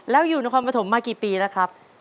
แล้วอยู่นครปฐมมากี่ปีแล้วครับ